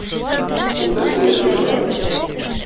Әйтерсең лә Җир шары.